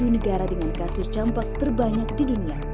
tujuh negara dengan kasus campak terbanyak di dunia